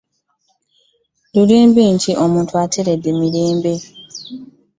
Luliba luti nga omuntu ateredde mirembe.